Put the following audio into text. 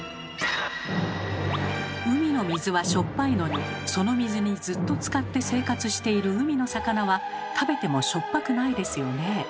海の水はしょっぱいのにその水にずっとつかって生活している海の魚は食べてもしょっぱくないですよねえ。